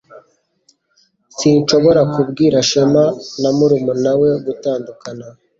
Sinshobora kubwira Shema na murumuna we gutandukana